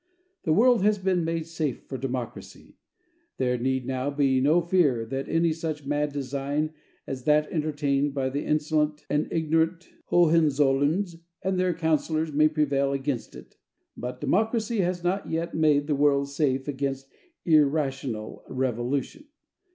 The world has been made safe for democracy. There need now be no fear that any such mad design as that entertained by the insolent and ignorant Hohenzollerns and their counselors may prevail against it. But democracy has not yet made the world safe against irrational revolution.